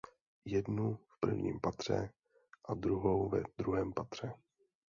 Jednu v prvním patře a druhou ve druhém patře.